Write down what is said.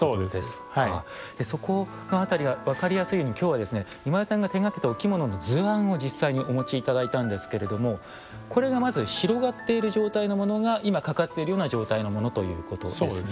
そこのあたりは分かりやすいように今日は今井さんが手がけたお着物の図案を実際にお持ち頂いたんですけれどもこれがまず広がっている状態のものが今掛かっているような状態のものということですね。